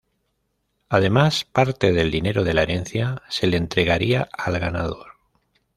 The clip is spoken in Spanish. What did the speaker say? Además, parte del dinero de la herencia se le entregaría al ganador.